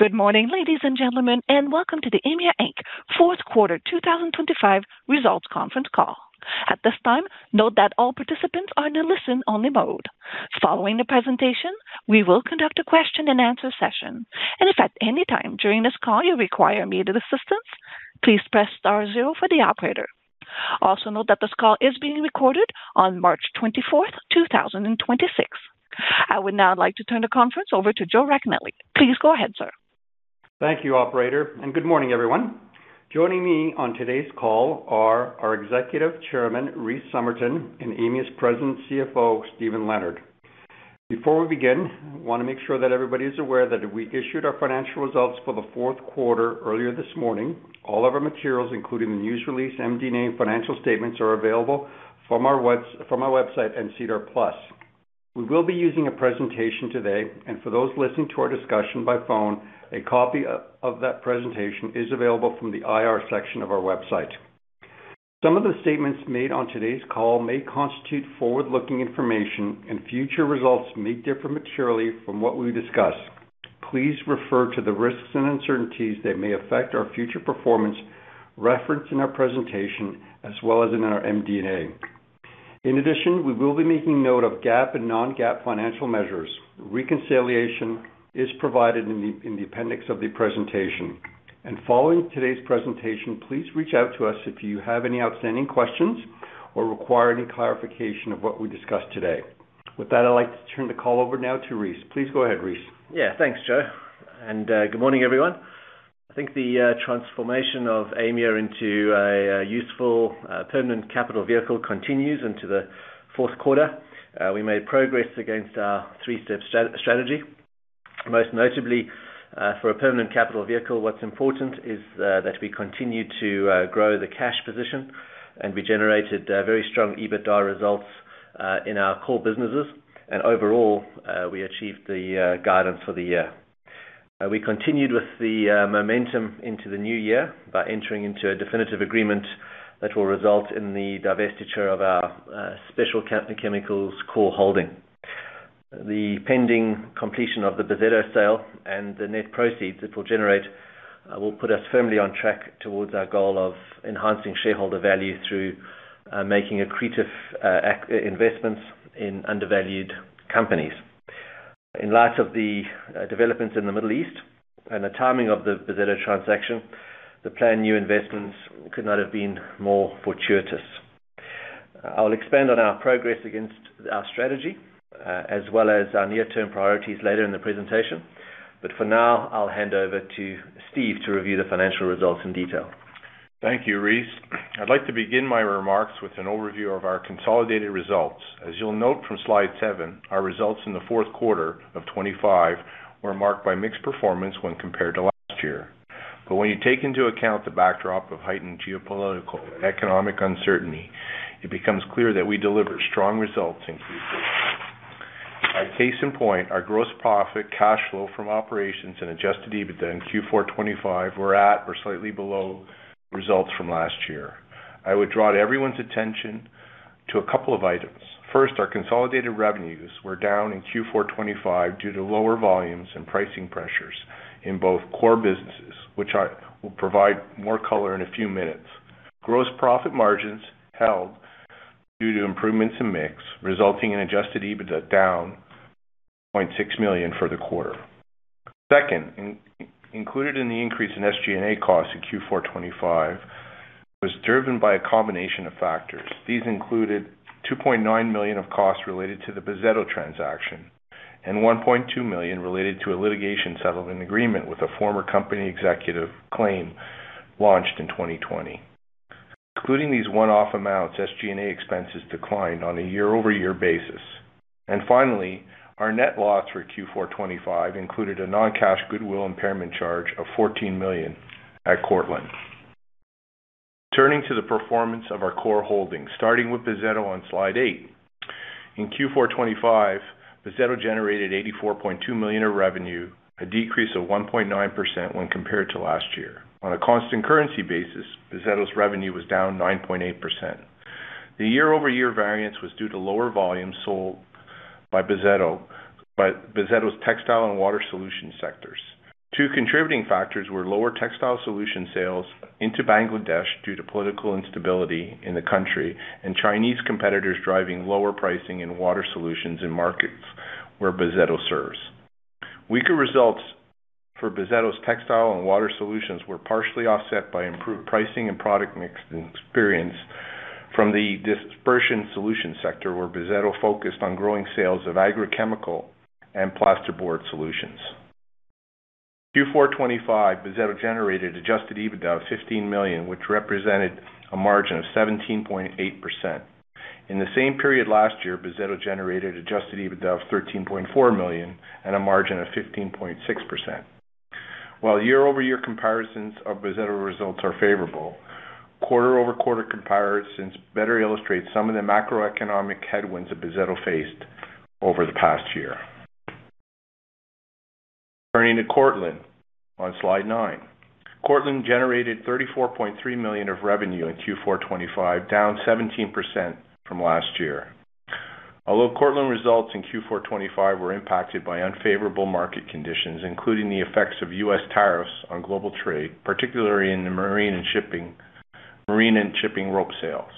Good morning, ladies and gentlemen, and welcome to the Aimia Inc. fourth quarter 2025 results conference call. At this time, note that all participants are in a listen only mode. Following the presentation, we will conduct a question and answer session. If at any time during this call you require immediate assistance, please press star zero for the operator. Also note that this call is being recorded on March 24, 2026. I would now like to turn the conference over to Joe Racanelli. Please go ahead, sir. Thank you, operator, and good morning, everyone. Joining me on today's call are our Executive Chairman, Rhys Summerton, and Aimia's President and CFO, Steven Leonard. Before we begin, I wanna make sure that everybody is aware that we issued our financial results for the fourth quarter earlier this morning. All of our materials, including the news release, MD&A, and financial statements are available from our website and SEDAR+. We will be using a presentation today, and for those listening to our discussion by phone, a copy of that presentation is available from the IR section of our website. Some of the statements made on today's call may constitute forward-looking information and future results may differ materially from what we discuss. Please refer to the risks and uncertainties that may affect our future performance referenced in our presentation as well as in our MD&A. In addition, we will be making note of GAAP and non-GAAP financial measures. Reconciliation is provided in the appendix of the presentation. Following today's presentation, please reach out to us if you have any outstanding questions or require any clarification of what we discussed today. With that, I'd like to turn the call over now to Rhys. Please go ahead, Rhys. Yeah. Thanks, Joe, and good morning, everyone. I think the transformation of Aimia into a useful permanent capital vehicle continues into the fourth quarter. We made progress against our three-step strategy, most notably, for a permanent capital vehicle what's important is that we continue to grow the cash position, and we generated very strong EBITDA results in our core businesses. Overall, we achieved the guidance for the year. We continued with the momentum into the new year by entering into a definitive agreement that will result in the divestiture of our specialty chemicals core holding. The pending completion of the Bozzetto sale and the net proceeds it will generate will put us firmly on track towards our goal of enhancing shareholder value through making accretive investments in undervalued companies. In light of the developments in the Middle East and the timing of the Bozzetto transaction, the planned new investments could not have been more fortuitous. I'll expand on our progress against our strategy, as well as our near-term priorities later in the presentation. For now, I'll hand over to Steven to review the financial results in detail. Thank you, Rhys. I'd like to begin my remarks with an overview of our consolidated results. As you'll note from slide seven, our results in the fourth quarter of 2025 were marked by mixed performance when compared to last year. When you take into account the backdrop of heightened geopolitical economic uncertainty, it becomes clear that we delivered strong results in Q4. A case in point, our gross profit, cash flow from operations, and adjusted EBITDA in Q4 2025 were at or slightly below results from last year. I would draw everyone's attention to a couple of items. First, our consolidated revenues were down in Q4 2025 due to lower volumes and pricing pressures in both core businesses, which I will provide more color in a few minutes. Gross profit margins held due to improvements in mix, resulting in adjusted EBITDA down 0.6 million for the quarter. Second, included in the increase in SG&A costs in Q4 2025 was driven by a combination of factors. These included 2.9 million of costs related to the Bozzetto transaction and 1.2 million related to a litigation settlement agreement with a former company executive claim launched in 2020. Excluding these one-off amounts, SG&A expenses declined on a year-over-year basis. Finally, our net loss for Q4 2025 included a non-cash goodwill impairment charge of 14 million at Cortland. Turning to the performance of our core holdings, starting with Bozzetto on slide eight. In Q4 2025, Bozzetto generated 84.2 million in revenue, a decrease of 1.9% when compared to last year. On a constant currency basis, Bozzetto's revenue was down 9.8%. The year-over-year variance was due to lower volumes sold by Bozzetto's textile and water solution sectors. Two contributing factors were lower textile solution sales into Bangladesh due to political instability in the country and Chinese competitors driving lower pricing in water solutions in markets where Bozzetto serves. Weaker results for Bozzetto's textile and water solutions were partially offset by improved pricing and product mix and experience from the dispersion solution sector, where Bozzetto focused on growing sales of agrochemical and plasterboard solutions. Q4 2025, Bozzetto generated adjusted EBITDA of 15 million, which represented a margin of 17.8%. In the same period last year, Bozzetto generated adjusted EBITDA of 13.4 million and a margin of 15.6%. While year-over-year comparisons of Bozzetto results are favorable, quarter-over-quarter comparisons better illustrate some of the macroeconomic headwinds that Bozzetto faced over the past year. Turning to Cortland on slide nine. Cortland generated 34.3 million of revenue in Q4 2025, down 17% from last year. Although Cortland results in Q4 2025 were impacted by unfavorable market conditions, including the effects of U.S. tariffs on global trade, particularly in the marine and shipping rope sales.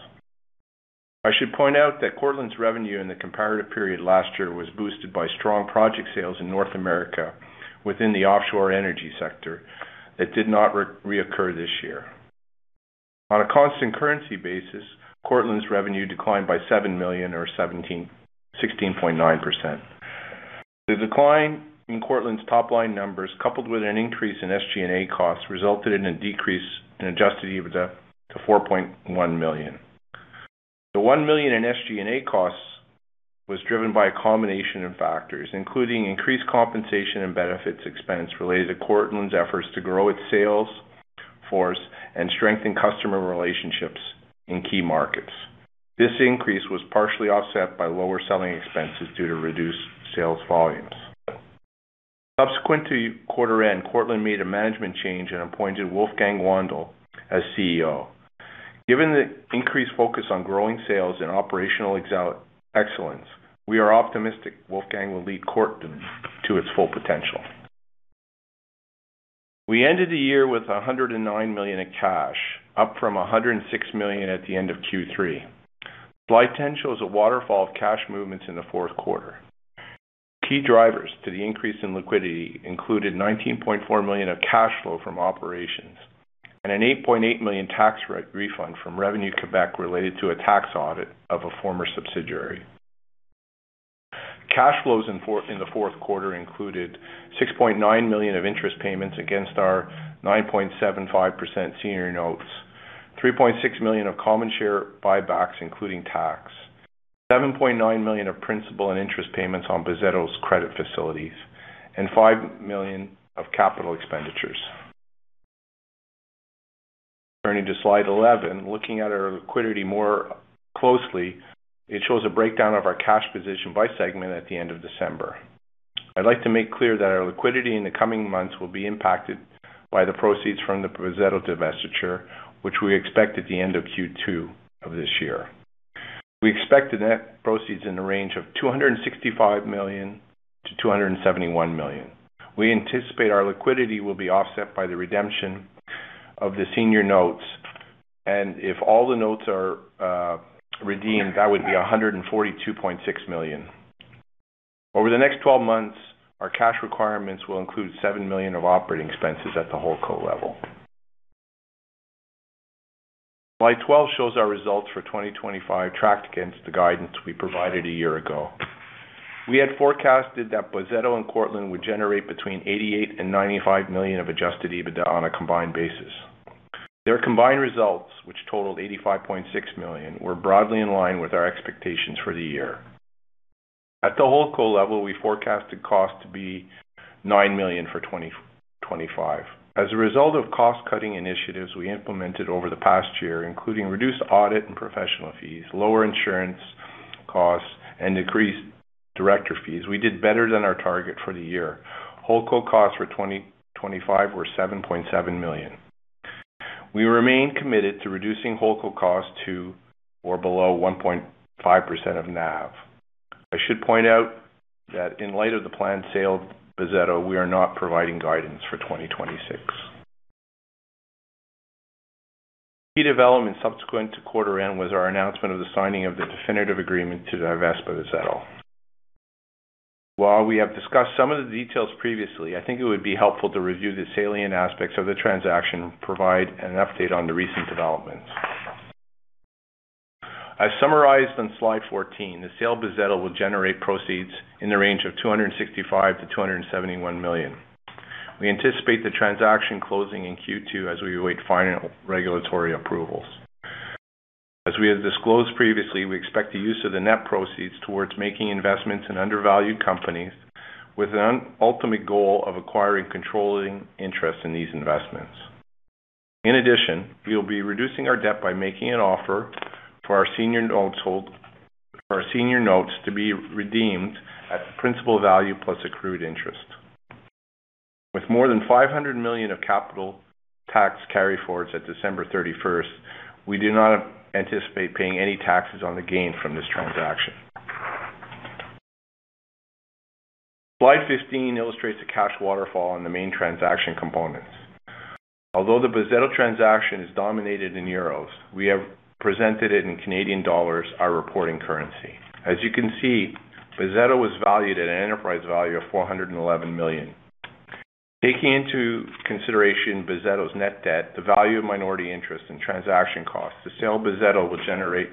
I should point out that Cortland's revenue in the comparative period last year was boosted by strong project sales in North America within the offshore energy sector that did not reoccur this year. On a constant currency basis, Cortland's revenue declined by 7 million or 16.9%. The decline in Cortland's top-line numbers, coupled with an increase in SG&A costs, resulted in a decrease in adjusted EBITDA to 4.1 million. 1 million in SG&A costs was driven by a combination of factors, including increased compensation and benefits expense related to Cortland's efforts to grow its sales force and strengthen customer relationships in key markets. This increase was partially offset by lower selling expenses due to reduced sales volumes. Subsequent to quarter end, Cortland made a management change and appointed Wolfgang Wandl as CEO. Given the increased focus on growing sales and operational excellence, we are optimistic Wolfgang will lead Cortland to its full potential. We ended the year with 109 million in cash, up from 106 million at the end of Q3. Slide 10 shows a waterfall of cash movements in the fourth quarter. Key drivers to the increase in liquidity included 19.4 million of cash flow from operations and 8.8 million tax refund from Revenu Québec related to a tax audit of a former subsidiary. Cash flows in the fourth quarter included 6.9 million of interest payments against our 9.75% senior notes, 3.6 million of common share buybacks, including tax, 7.9 million of principal and interest payments on Bozzetto's credit facilities, and 5 million of capital expenditures. Turning to slide 11. Looking at our liquidity more closely, it shows a breakdown of our cash position by segment at the end of December. I'd like to make clear that our liquidity in the coming months will be impacted by the proceeds from the Bozzetto divestiture, which we expect at the end of Q2 of this year. We expect the net proceeds in the range of 265 million-271 million. We anticipate our liquidity will be offset by the redemption of the senior notes, and if all the notes are redeemed, that would be 142.6 million. Over the next 12 months, our cash requirements will include 7 million of operating expenses at the Holdco level. Slide 12 shows our results for 2025 tracked against the guidance we provided a year ago. We had forecasted that Bozzetto and Cortland would generate between 88 million and 95 million of adjusted EBITDA on a combined basis. Their combined results, which totaled 85.6 million, were broadly in line with our expectations for the year. At the Holdco level, we forecasted cost to be 9 million for 2025. As a result of cost-cutting initiatives we implemented over the past year, including reduced audit and professional fees, lower insurance costs, and decreased director fees, we did better than our target for the year. Holdco costs for 2025 were 7.7 million. We remain committed to reducing Holdco costs to or below 1.5% of NAV. I should point out that in light of the planned sale of Bozzetto, we are not providing guidance for 2026. Key development subsequent to quarter end was our announcement of the signing of the definitive agreement to divest Bozzetto. While we have discussed some of the details previously, I think it would be helpful to review the salient aspects of the transaction, provide an update on the recent developments. I've summarized on slide 14, the sale of Bozzetto will generate proceeds in the range of 265 million-271 million. We anticipate the transaction closing in Q2 as we await final regulatory approvals. As we have disclosed previously, we expect the use of the net proceeds towards making investments in undervalued companies with an ultimate goal of acquiring controlling interest in these investments. In addition, we will be reducing our debt by making an offer for our senior notes to be redeemed at principal value plus accrued interest. With more than 500 million of capital tax carryforwards at December 31, we do not anticipate paying any taxes on the gain from this transaction. Slide 15 illustrates the cash waterfall on the main transaction components. Although the Bozzetto transaction is denominated in euros, we have presented it in Canadian dollars, our reporting currency. As you can see, Bozzetto was valued at an enterprise value of 411 million. Taking into consideration Bozzetto's net debt, the value of minority interest and transaction costs, the sale of Bozzetto will generate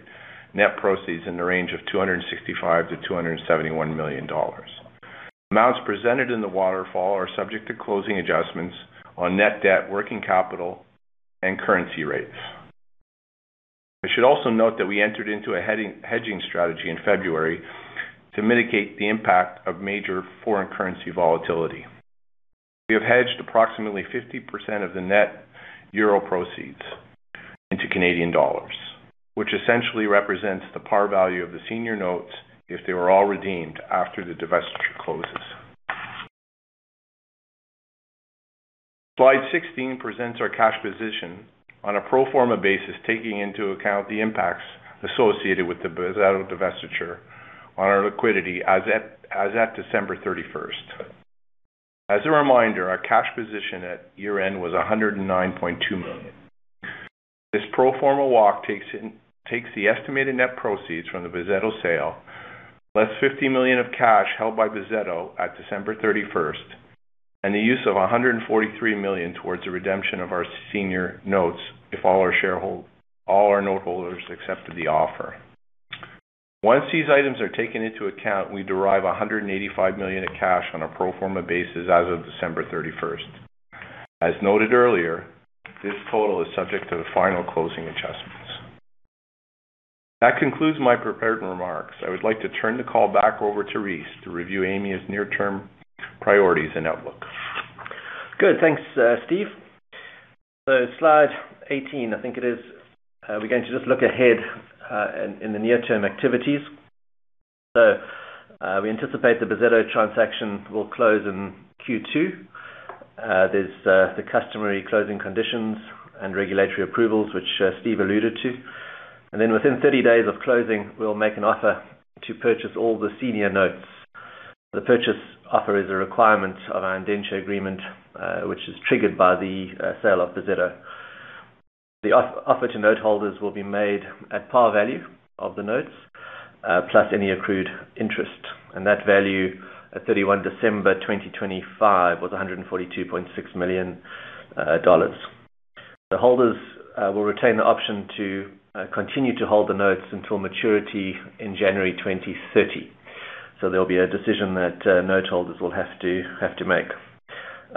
net proceeds in the range of 265 million-271 million dollars. Amounts presented in the waterfall are subject to closing adjustments on net debt, working capital, and currency rates. I should also note that we entered into a hedging strategy in February to mitigate the impact of major foreign currency volatility. We have hedged approximately 50% of the net euro proceeds into Canadian dollars, which essentially represents the par value of the senior notes if they were all redeemed after the divestiture closes. Slide 16 presents our cash position on a pro forma basis, taking into account the impacts associated with the Bozzetto divestiture on our liquidity as at December 31. As a reminder, our cash position at year-end was 109.2 million. This pro forma walk takes the estimated net proceeds from the Bozzetto sale, less 50 million of cash held by Bozzetto at December 31, and the use of 143 million towards the redemption of our senior notes if all our note holders accepted the offer. Once these items are taken into account, we derive 185 million of cash on a pro forma basis as of December 31. As noted earlier, this total is subject to the final closing adjustments. That concludes my prepared remarks. I would like to turn the call back over to Rhys to review Aimia's near-term priorities and outlook. Good. Thanks, Steve. Slide 18, I think it is. We're going to just look ahead in the near-term activities. We anticipate the Bozzetto transaction will close in Q2. There's the customary closing conditions and regulatory approvals, which Steve alluded to. Then within 30 days of closing, we'll make an offer to purchase all the senior notes. The purchase offer is a requirement of our indenture agreement, which is triggered by the sale of Bozzetto. The offer to note holders will be made at par value of the notes, plus any accrued interest. That value at 31 December 2025 was $142.6 million. The holders will retain the option to continue to hold the notes until maturity in January 2030. There'll be a decision that note holders will have to make.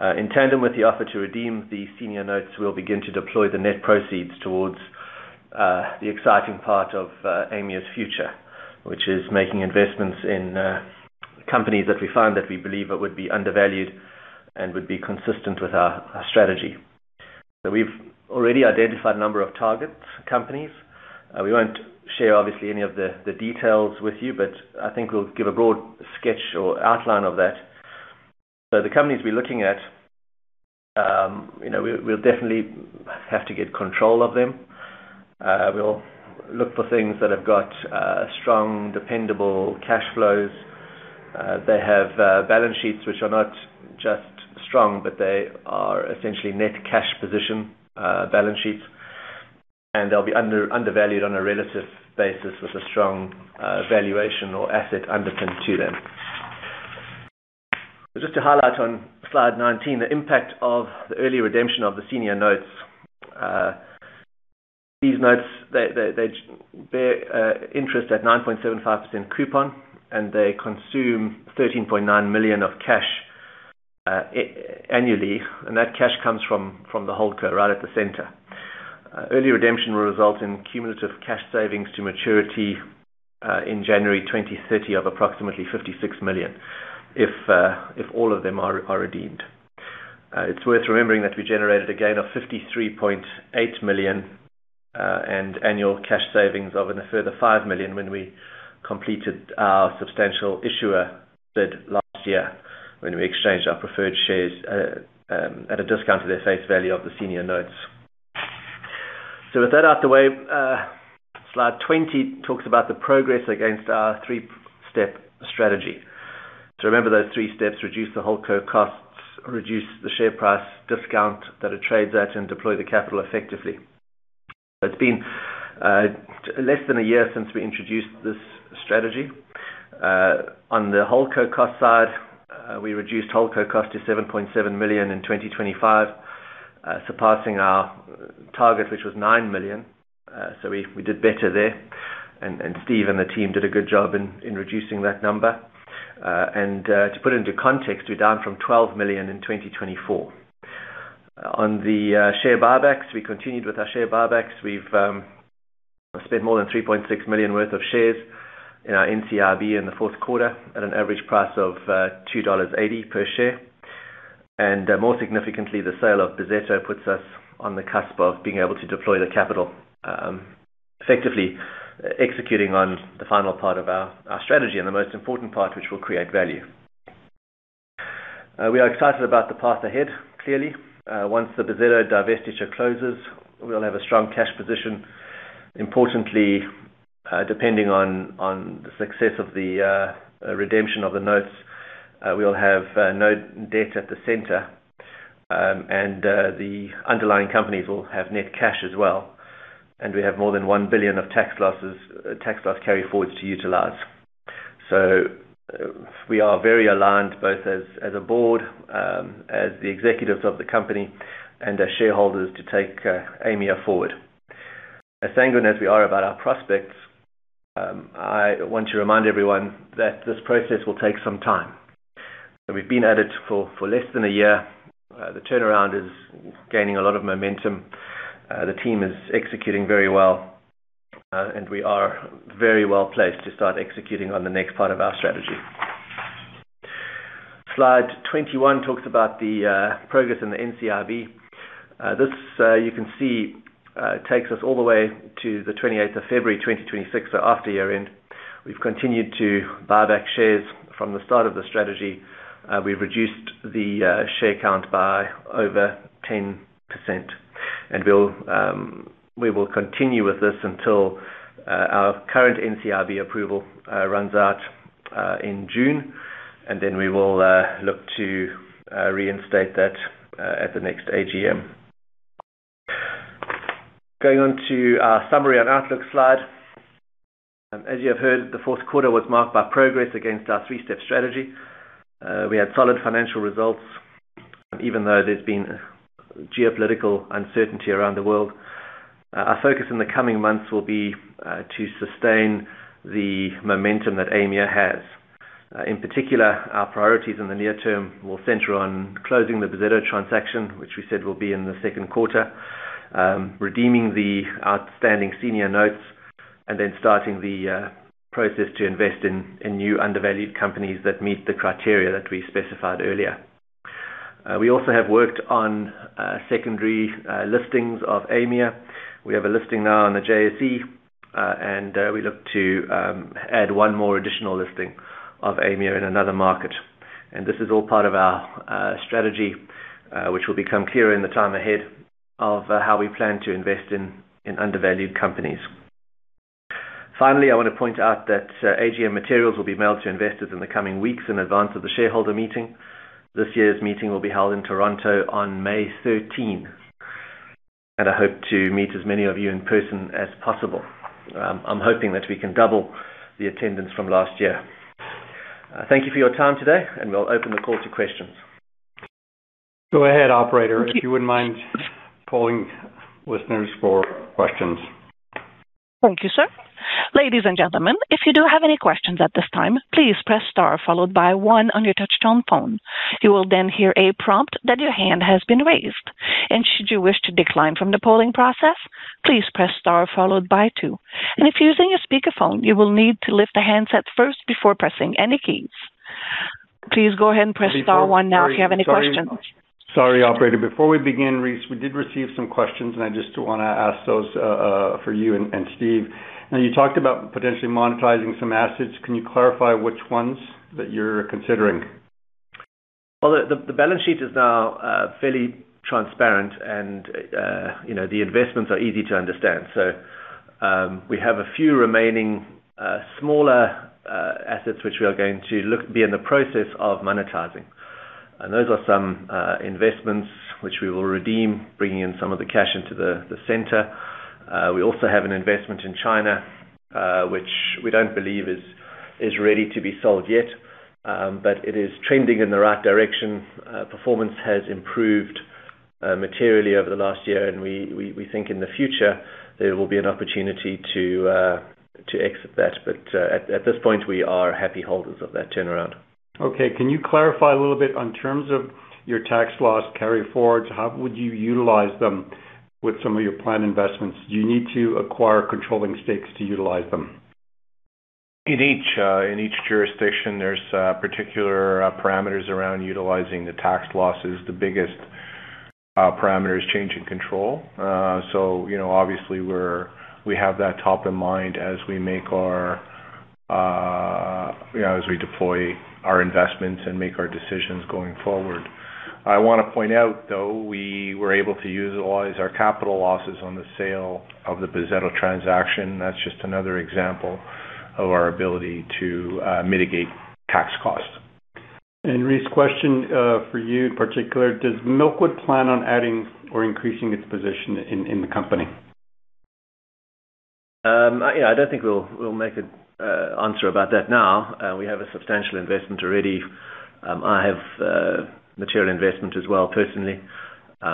In tandem with the offer to redeem the senior notes, we'll begin to deploy the net proceeds towards the exciting part of Aimia's future, which is making investments in companies that we find that we believe would be undervalued and would be consistent with our strategy. We've already identified a number of target companies. We won't share obviously any of the details with you, but I think we'll give a broad sketch or outline of that. The companies we're looking at, you know, we'll definitely have to get control of them. We'll look for things that have got strong, dependable cash flows. They have balance sheets which are not just strong, but they are essentially net cash position balance sheets, and they'll be undervalued on a relative basis with a strong valuation or asset underpinning to them. Just to highlight on slide 19, the impact of the early redemption of the senior notes. These notes, they bear interest at 9.75% coupon, and they consume 13.9 million of cash annually, and that cash comes from the Holdco right at the center. Early redemption will result in cumulative cash savings to maturity in January 2030 of approximately 56 million if all of them are redeemed. It's worth remembering that we generated a gain of 53.8 million and annual cash savings of another 5 million when we completed our substantial issuer bid last year when we exchanged our preferred shares at a discount to the face value of the senior notes. With that out of the way, slide 20 talks about the progress against our three-step strategy. Remember those three steps: reduce the holdco costs, reduce the share price discount that it trades at, and deploy the capital effectively. It's been less than a year since we introduced this strategy. On the holdco cost side, we reduced holdco cost to 7.7 million in 2025, surpassing our target, which was 9 million. We did better there. Steve and the team did a good job in reducing that number. To put it into context, we're down from 12 million in 2024. On the share buybacks, we continued with our share buybacks. We've spent more than 3.6 million worth of shares in our NCRB in the fourth quarter at an average price of 2.80 dollars per share. More significantly, the sale of Bozzetto puts us on the cusp of being able to deploy the capital, effectively executing on the final part of our strategy, and the most important part which will create value. We are excited about the path ahead, clearly. Once the Bozzetto divestiture closes, we'll have a strong cash position. Importantly, depending on the success of the redemption of the notes, we'll have no debt at the Holdco, and the underlying companies will have net cash as well, and we have more than 1 billion of tax losses, tax loss carry forwards to utilize. We are very aligned, both as a board, as the executives of the company and as shareholders to take Aimia forward. As sanguine as we are about our prospects, I want to remind everyone that this process will take some time. We've been at it for less than a year. The turnaround is gaining a lot of momentum. The team is executing very well, and we are very well placed to start executing on the next part of our strategy. Slide 21 talks about the progress in the NCRB. This, you can see, takes us all the way to the 28th of February 2026, so after year-end. We've continued to buy back shares from the start of the strategy. We've reduced the share count by over 10%. We'll continue with this until our current NCRB approval runs out in June. We will look to reinstate that at the next AGM. Going on to our summary and outlook slide. As you have heard, the fourth quarter was marked by progress against our three-step strategy. We had solid financial results even though there's been geopolitical uncertainty around the world. Our focus in the coming months will be to sustain the momentum that Aimia has. In particular, our priorities in the near term will center on closing the Bozzetto transaction, which we said will be in the second quarter. Redeeming the outstanding senior notes and then starting the process to invest in new undervalued companies that meet the criteria that we specified earlier. We also have worked on secondary listings of Aimia. We have a listing now on the JSE, and we look to add one more additional listing of Aimia in another market. This is all part of our strategy which will become clearer in the time ahead of how we plan to invest in undervalued companies. Finally, I wanna point out that AGM materials will be mailed to investors in the coming weeks in advance of the shareholder meeting. This year's meeting will be held in Toronto on May 13. I hope to meet as many of you in person as possible. I'm hoping that we can double the attendance from last year. Thank you for your time today, and we'll open the call to questions. Go ahead, operator. Thank you. If you wouldn't mind polling listeners for questions. Thank you, sir. Ladies and gentlemen, if you do have any questions at this time, please press star followed by one on your touchtone phone. You will then hear a prompt that your hand has been raised. And should you wish to decline from the polling process, please press star followed by two. And if you're using a speakerphone, you will need to lift the handset first before pressing any keys. Please go ahead and press star one now if you have any questions. Sorry, operator. Before we begin, Rhys, we did receive some questions, and I just wanna ask those for you and Steve. Now, you talked about potentially monetizing some assets. Can you clarify which ones that you're considering? Well, the balance sheet is now fairly transparent and the investments are easy to understand. We have a few remaining smaller assets which we are going to be in the process of monetizing. Those are some investments which we will redeem, bringing in some of the cash into the center. We also have an investment in China which we don't believe is ready to be sold yet, but it is trending in the right direction. Performance has improved materially over the last year, and we think in the future there will be an opportunity to exit that. At this point, we are happy holders of that turnaround. Okay. Can you clarify a little bit in terms of your tax loss carry-forwards? How would you utilize them with some of your planned investments? Do you need to acquire controlling stakes to utilize them? In each jurisdiction, there's particular parameters around utilizing the tax losses. The biggest parameter is change in control. Obviously we have that top of mind as we make our as we deploy our investments and make our decisions going forward. I wanna point out, though, we were able to utilize our capital losses on the sale of the Bozzetto transaction. That's just another example of our ability to mitigate tax costs. Rhys, question for you in particular. Does Milkwood plan on adding or increasing its position in the company? I don't think we'll make an answer about that now. We have a substantial investment already. I have material investment as well personally. We'll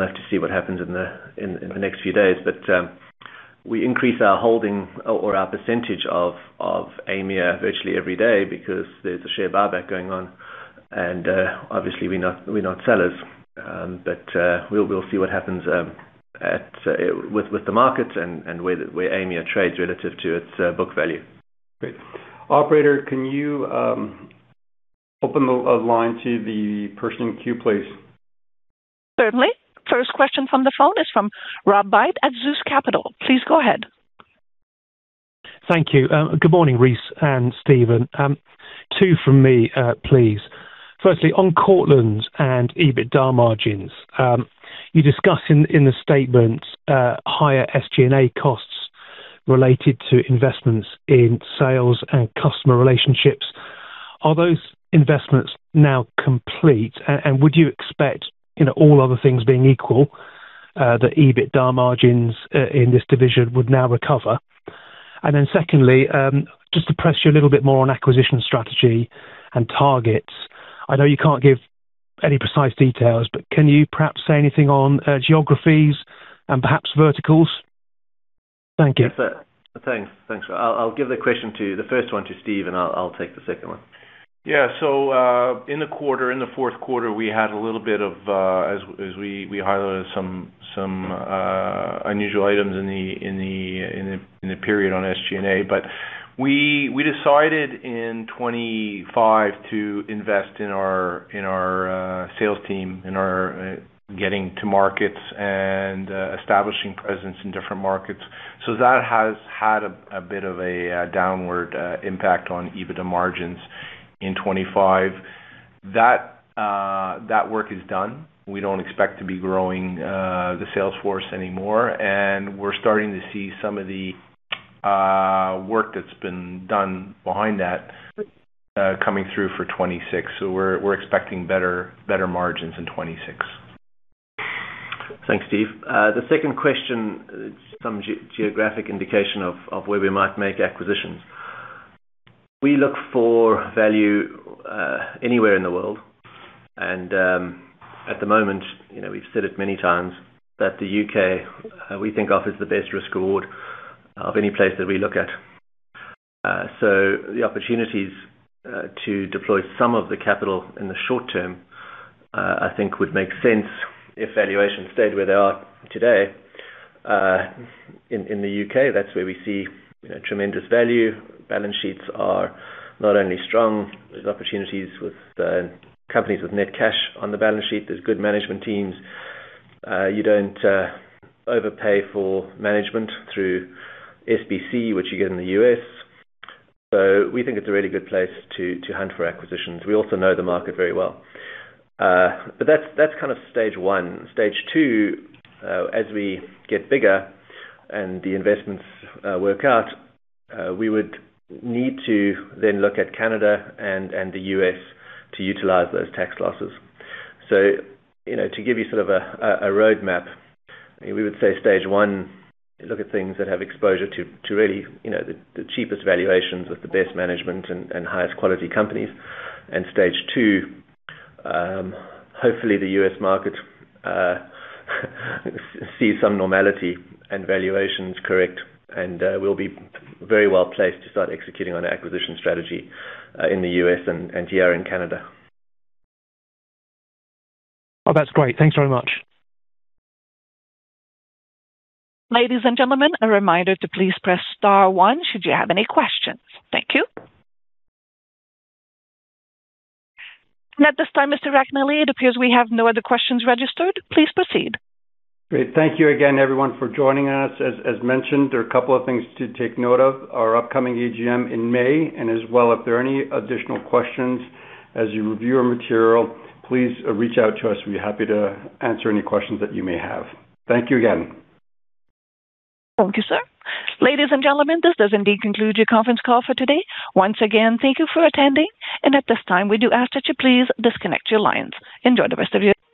have to see what happens in the next few days. We increase our holding or our percentage of Aimia virtually every day because there's a share buyback going on, and obviously we're not sellers. We'll see what happens with the markets and where Aimia trades relative to its book value. Great. Operator, can you open the line to the person in queue, please? Certainly. First question from the phone is from Rob Byde at Zeus Capital. Please go ahead. Thank you. Good morning, Rhys and Steven. Two from me, please. Firstly, on Cortland and EBITDA margins. You discuss in the statement higher SG&A costs related to investments in sales and customer relationships. Are those investments now complete? And would you expect all other things being equal, that EBITDA margins in this division would now recover? Secondly, just to press you a little bit more on acquisition strategy and targets. I know you can't give any precise details, but can you perhaps say anything on geographies and perhaps verticals? Thank you. Yes, sir. Thanks. Thanks, Rob. I'll give the question to the first one to Steve, and I'll take the second one. Yeah. In the fourth quarter, we had a little bit of, as we highlighted some unusual items in the period on SG&A. But. We decided in 2025 to invest in our sales team, in our getting to markets and establishing presence in different markets. That has had a bit of a downward impact on EBITDA margins in 2025. That work is done. We don't expect to be growing the sales force anymore, and we're starting to see some of the work that's been done behind that coming through for 2026. We're expecting better margins in 2026. Thanks, Steve. The second question, some geographic indication of where we might make acquisitions. We look for value anywhere in the world. At the moment we've said it many times that the U.K., we think offers the best risk-reward of any place that we look at. The opportunities to deploy some of the capital in the short term, I think would make sense if valuations stayed where they are today. In the U.K., that's where we see tremendous value. Balance sheets are not only strong, there's opportunities with companies with net cash on the balance sheet. There's good management teams. You don't overpay for management through SBC, which you get in the U.S. We think it's a really good place to hunt for acquisitions. We also know the market very well. That's kind of stage one. Stage two, as we get bigger and the investments work out, we would need to then look at Canada and the U.S. to utilize those tax losses. To give you sort of a roadmap, we would say stage one, look at things that have exposure to really the cheapest valuations with the best management and highest quality companies. Stage two, hopefully the U.S. market sees some normality and valuations correct, and we'll be very well placed to start executing on our acquisition strategy in the U.S. and here in Canada. Oh, that's great. Thanks very much. Ladies and gentlemen, a reminder to please press star one should you have any questions. Thank you. At this time, Mr. Racanelli, it appears we have no other questions registered. Please proceed. Great. Thank you again, everyone, for joining us. As mentioned, there are a couple of things to take note of. Our upcoming AGM in May, and as well, if there are any additional questions as you review our material, please reach out to us. We're happy to answer any questions that you may have. Thank you again. Thank you, sir. Ladies and gentlemen, this does indeed conclude your conference call for today. Once again, thank you for attending, and at this time, we do ask that you please disconnect your lines. Enjoy the rest of your day.